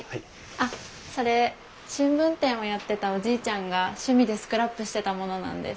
あっそれ新聞店をやってたおじいちゃんが趣味でスクラップしてたものなんです。